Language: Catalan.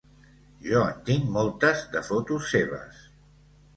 Jo en tinc moltes, de fotos seves.